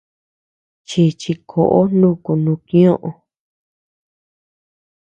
Chichi koʼo nuku nukñoʼö.